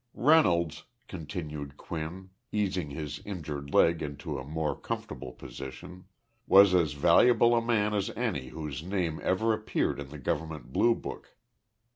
Reynolds [continued Quinn, easing his injured leg into a more comfortable position] was as valuable a man as any whose name ever appeared in the Government Blue Book.